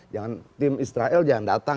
jangan tim israel jangan datang